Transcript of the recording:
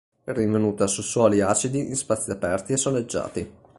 Rinvenuta su suoli acidi in spazi aperti e soleggiati.